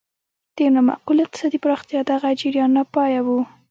د نامعقولې اقتصادي پراختیا دغه جریان ناپایه و.